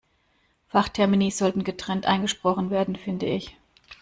Fachtermini sollten getrennt eingesprochen werden, finde ich.